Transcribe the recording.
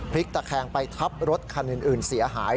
ตะแคงไปทับรถคันอื่นเสียหาย